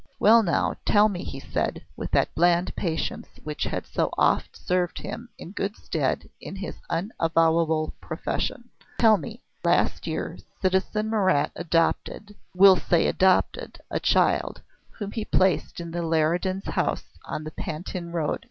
"Well, now, tell me," he said, with that bland patience which had so oft served him in good stead in his unavowable profession. "Tell me. Last year citizen Marat adopted we'll say adopted a child, whom he placed in the Leridans' house on the Pantin road.